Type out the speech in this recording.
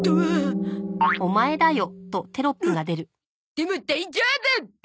でも大丈夫！